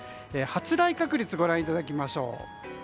発雷確率をご覧いただきましょう。